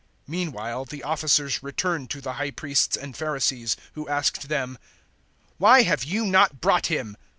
007:045 Meanwhile the officers returned to the High Priests and Pharisees, who asked them, "Why have you not brought him?"